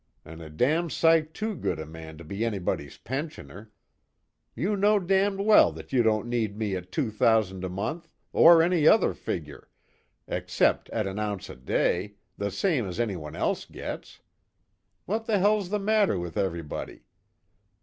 And a damn sight too good a man to be anybody's pensioner. You know damned well that you don't need me at two thousand a month, or any other figure, except at an ounce a day, the same as anyone else gets. What the hell's the matter with everybody?"